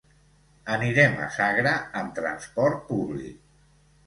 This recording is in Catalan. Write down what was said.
Anirem a Sagra amb transport públic.